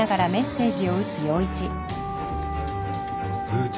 部長